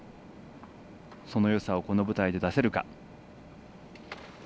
そのよさをこの舞台で出せるか。